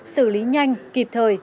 xử lý nhanh kịp thời